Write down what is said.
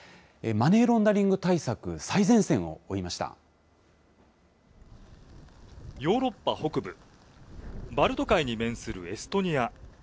マネーロンダリング対策最前線をヨーロッパ北部、バルト海に面するエストニア。